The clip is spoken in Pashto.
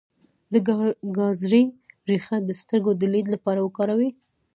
د ګازرې ریښه د سترګو د لید لپاره وکاروئ